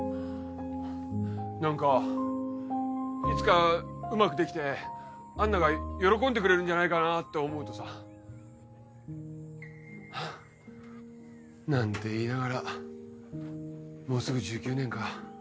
何かいつかうまくできてアンナが喜んでくれるんじゃないかなって思うとさ。なんて言いながらもうすぐ１９年か。